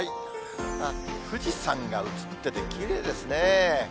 富士山が映ってて、きれいですね。